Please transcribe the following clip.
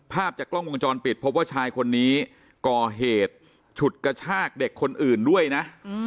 ภาพจากกล้องวงจรปิดพบว่าชายคนนี้ก่อเหตุฉุดกระชากเด็กคนอื่นด้วยนะ